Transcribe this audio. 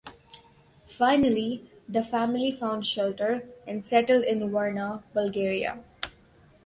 Finally, the family found shelter and settled in Varna, Bulgaria.